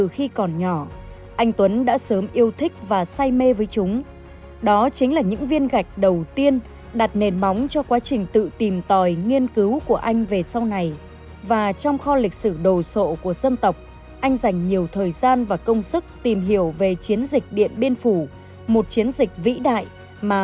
khi mình là một cậu sinh viên thì mình có tham gia tranh luận lịch sử trên các tiện đàn